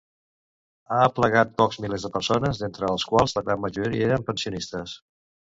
Ha aplegat pocs milers de persones, d'entre els quals la gran majoria eren pensionistes.